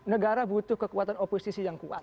negara butuh kekuatan oposisi yang kuat